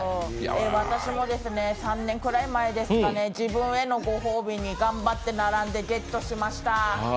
私も３年くらい前ですかね、自分へのご褒美に頑張って並んでゲットしました。